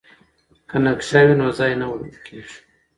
که نقشه وي نو ځای نه ورکیږي.